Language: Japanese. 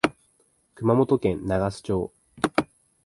熊本県長洲町